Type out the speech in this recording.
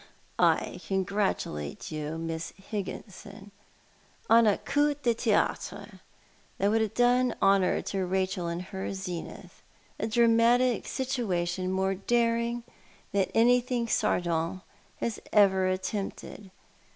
" I congratulate you, Miss Higginson, upon a coup de theatre that Avonld have done honour to Eachel in her zenith — a dramatic situation more daring than anything Sardou has ever attempted.